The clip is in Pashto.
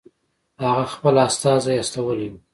هغه خپل استازی استولی وو.